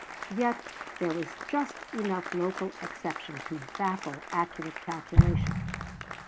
Yet there was just enough local exception to baffle accurate calculation.